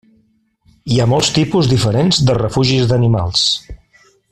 Hi ha molts tipus diferents de refugis d'animals.